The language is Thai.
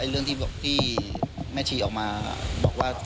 เรื่องที่แม่ชีออกมาบอกว่า